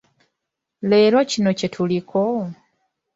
Leero kino kye tuliko.